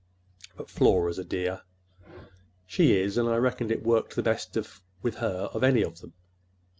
But Flora's a dear." "She is! and I reckon it worked the best with her of any of them."